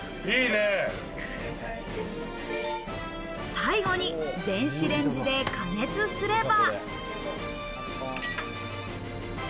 最後に電子レンジで加熱すれば。